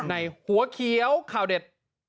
หัวเขียวข่าวเด็ด